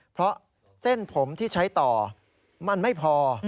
เพราะเส้นผมที่ใช้ต่อมันไม่พอ